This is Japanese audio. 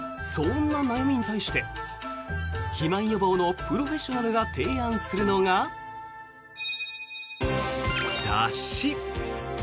そんな悩みに対して肥満予防のプロフェッショナルが提案するのが、だし。